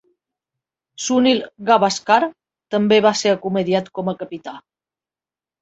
Sunil Gavaskar també va ser acomiadat com a capità.